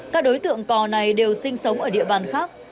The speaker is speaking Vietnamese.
các đối tượng cò này đều sinh sống ở địa bàn khác